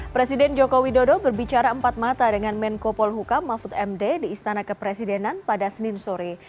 presiden jokowi dodo berbicara empat mata dengan menko polhukam mahfud md di istana kepresidenan pada senin sore